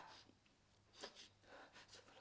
siapa saja yang ada di kota ini